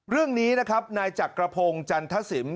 เรื่องนี้นะครับนายจักรพงศ์จันทศิลป